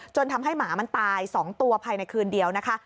จนทำให้หมามันตาย๒ตัวภายในคืนเดียวนะคะ